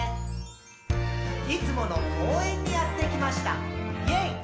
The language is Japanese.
「いつもの公園にやってきました！イェイ！」